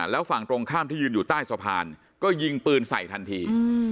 แล้วฝั่งตรงข้ามที่ยืนอยู่ใต้สะพานก็ยิงปืนใส่ทันที